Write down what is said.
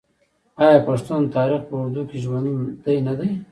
آیا پښتون د تاریخ په اوږدو کې ژوندی نه دی؟